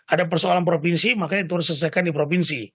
ada persoalan provinsi makanya itu harus diselesaikan di provinsi